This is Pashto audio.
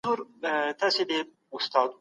سرلوړي یوازي د اسلام په رڼا کي ده.